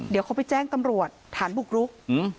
เดี๋ยวเขาไปแจ้งตำรวจฐานบุกรุก